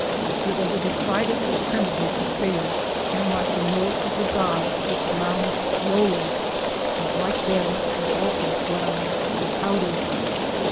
It was a decidedly primitive affair, and, like the mills of the gods, it ground slowly, but like them, it also ground to powder.